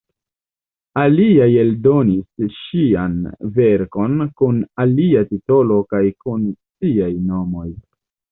Aliaj eldonis ŝian verkon kun alia titolo kaj kun siaj nomoj.